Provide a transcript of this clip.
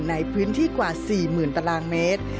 ในพื้นที่กว่า๔๐๐๐ตารางเมตร